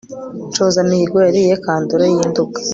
nshozamihigo yariye kandore y' i nduga